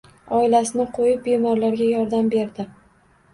Oilasini qoʻyib, bemorlarga yordam berdi